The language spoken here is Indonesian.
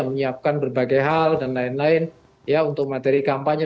menyiapkan berbagai hal dan lain lain ya untuk materi kampanye